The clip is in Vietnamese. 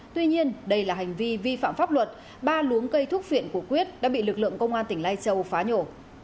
tuy nhiên đây là hành vi vi phạm pháp luật ba luống cây thuốc phiện của quyết đã bị lực lượng công an tỉnh lai châu phá nhổ